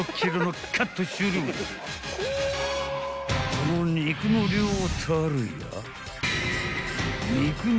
［この肉の量たるや］